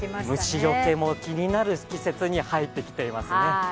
虫よけも気になる季節に入ってきていますね。